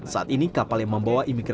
saat ini kapal yang membawa imigrasi